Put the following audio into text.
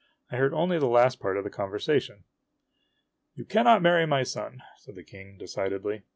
I heard only the last part of the conversation. " You cannot marry my son !" said the King, decidedly.